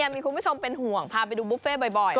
มีคุณผู้ชมเป็นห่วงพาไปดูบุฟเฟ่บ่อย